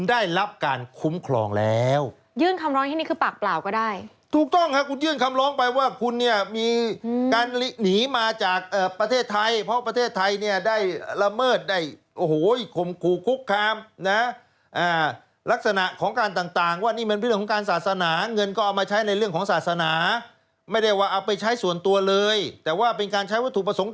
ได้รับการคุ้มครองแล้วยื่นคำร้องที่นี่คือปากเปล่าก็ได้ถูกต้องค่ะคุณยื่นคำร้องไปว่าคุณเนี่ยมีการหนีมาจากประเทศไทยเพราะประเทศไทยเนี่ยได้ละเมิดได้โอ้โหคมคู่คุกคามนะลักษณะของการต่างว่านี่มันเรื่องของการศาสนาเงินก็เอามาใช้ในเรื่องของศาสนาไม่ได้ว่าเอาไปใช้ส่วนตัวเลยแต่ว่าเป็นการใช้วัตถุประสงค์